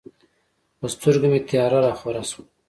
په سترګو مې تیاره راخوره شوه.